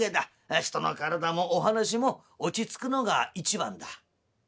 人の体もお噺もおちつくのが一番だ」。